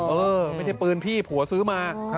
เออไม่ใช่ปืนพี่ผัวซื้อมา